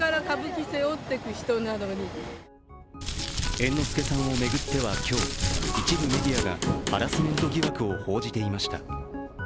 猿之助さんを巡っては今日、一部メディアがハラスメント疑惑を報じていました。